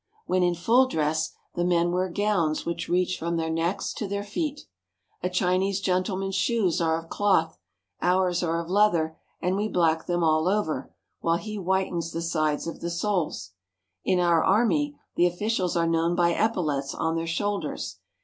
When in full dress the men wear gowns which reach from their necks to their feet. A Chinese gentle man's shoes are of cloth ; ours are of leather, and we black them all over, while he whitens the sides of the soles. In our army the officials are known by epaulets on their shoulders.